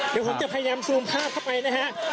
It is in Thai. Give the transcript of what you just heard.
เดี๋ยวผมจะพยายามซูมภาพเข้าไปนะฮะ